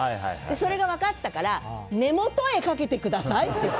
それが分かったから根元へかけてください